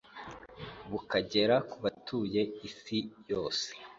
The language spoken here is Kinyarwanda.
bukagera ku batuye isi yose.